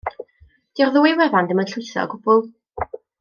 Dyw'r ddwy wefan ddim yn llwytho o gwbl.